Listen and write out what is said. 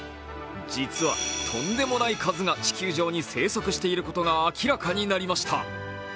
実は、とんでもない数が地球上に生息していることが明らかになりました。